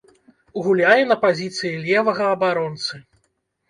Гуляе на пазіцыі левага абаронцы.